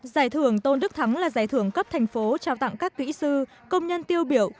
giải thưởng tôn đức thắng là giải thưởng cấp thành phố trao tặng các kỹ sư công nhân tiêu biểu